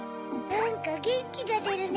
なんかゲンキがでるね。